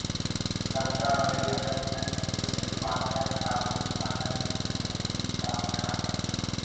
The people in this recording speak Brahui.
درکار ارے ادب نا جدید صنف آتیا براہوئی زبان نا پنی آ ادیب و زانتکار